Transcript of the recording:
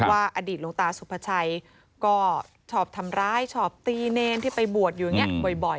อดีตหลวงตาสุภาชัยก็ชอบทำร้ายชอบตีเนรที่ไปบวชอยู่อย่างนี้บ่อย